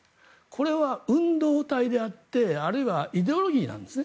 これは運動体であってあるいはイデオロギーなんです。